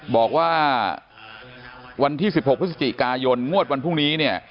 บอกว่าวันที่๑๖พฤศจิกายนงวดวันพรุ่งนี้เนี่ย